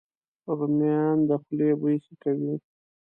رومیان د خولې بوی ښه کوي